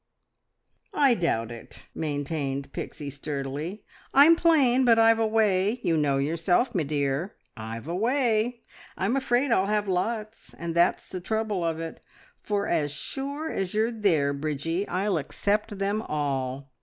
"I doubt it," maintained Pixie sturdily. "I'm plain, but I've a way. You know yourself, me dear, I've a way! ... I'm afraid I'll have lots; and that's the trouble of it, for as sure as you're there, Bridgie, I'll accept them all!